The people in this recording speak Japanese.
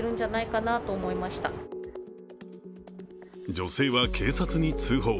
女性は警察に通報。